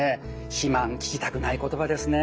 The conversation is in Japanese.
肥満聞きたくない言葉ですね。